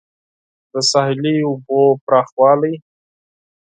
د ساحلي اوبو پراخوالی